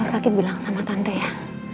sakit bilang sama tante ya